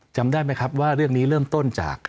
จำได้ไหมครับว่าเรื่องนี้เริ่มต้นจาก